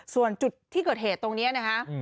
ส่วนจุดที่เกิดเหตุตรงนี้นะคะ